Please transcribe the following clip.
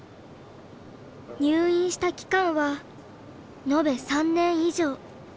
入院した期間は延べ３年以上。